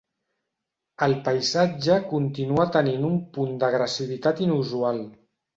El paisatge continua tenint un punt d'agressivitat inusual.